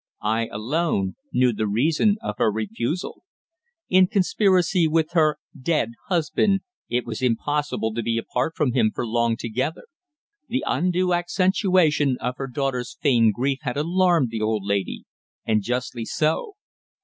I alone knew the reason of her refusal. In conspiracy with her "dead" husband it was impossible to be apart from him for long together. The undue accentuation of her daughter's feigned grief had alarmed the old lady and justly so.